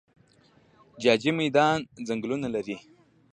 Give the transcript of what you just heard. جاجي میدان ځنګلونه لري؟